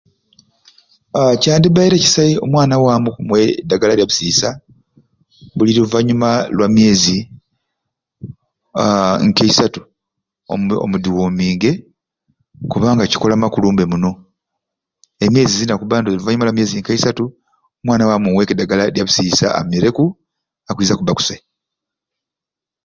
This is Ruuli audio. Aa kindibbaire kisai omwana waamu okumuwee eddagala lya bisiisa buli luvanyuma lwa myezi aa nk'eisatu omu omu diwominge kubanga kikola amakulu mbe muno emyezi zirina kubba ndowo luvanyuma lwa myezi nk'eisatu omwana waamu omuweeku eddagala lya bisiisa amireku akwiza kubba kusai.